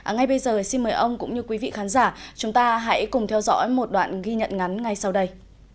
ngay bây giờ xin mời ông cũng như quý vị khán giả chúng ta hãy cùng theo dõi một đoạn ghi nhận ngắn ngay sau đây